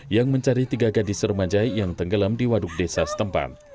yang mencari tiga gadis remaja yang tenggelam di waduk desa setempat